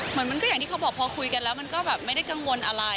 มันก็อย่างที่เขาบอกพอคุยกันแล้วมันก็แบบไม่ได้กังวลอะไร